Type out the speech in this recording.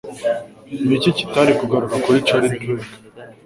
Niki kitari kugaruka kuri Charlie Drake